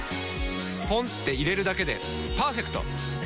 ポンって入れるだけでパーフェクト！